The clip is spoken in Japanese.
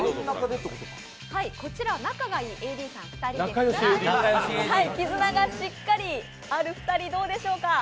こちら、仲がいいＡＤさん２人ですが絆がしっかりある２人、どうでしょうか。